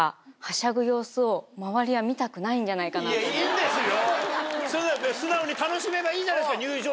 いやいいんですよ。